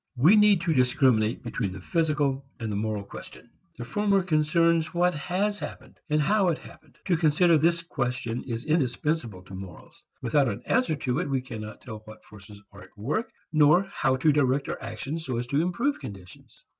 We need to discriminate between the physical and the moral question. The former concerns what has happened, and how it happened. To consider this question is indispensable to morals. Without an answer to it we cannot tell what forces are at work nor how to direct our actions so as to improve conditions.